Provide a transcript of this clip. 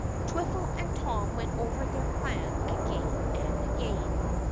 Twiffle and Tom went over their plan again and again.